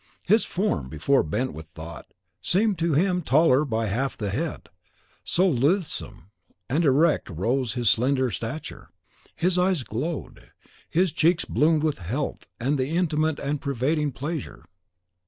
His form, before bent with thought, seemed to him taller by half the head, so lithesome and erect rose his slender stature; his eyes glowed, his cheeks bloomed with health and the innate and pervading pleasure.